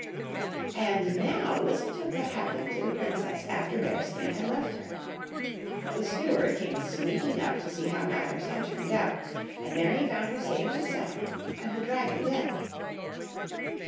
And now listen to what happened to the princess after Bearskin had left her. The steward came sneaking up to see how matters had turned out, and there he found her safe and sound, and the dragon dead.